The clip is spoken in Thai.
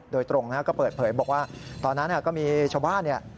โดยตรงก็เปิดเผยบอกว่าตอนนั้นก็มีชาวบ้านเนี่ย